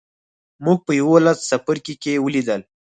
موږ په یوولسم څپرکي کې ولیدل.